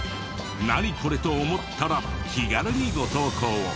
「ナニコレ？」と思ったら気軽にご投稿を。